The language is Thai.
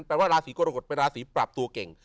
แปลว่าลาสีกรกฎเป็นลาสีปรับตัวเก่ง